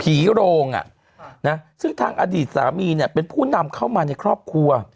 ผีโรงซึ่งทางอดีตสามีเนี่ยเป็นผู้นำเข้ามาในครอบครัว